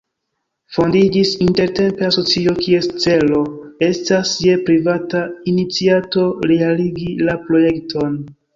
Fondiĝis intertempe asocio, kies celo estas je privata iniciato realigi la projekton.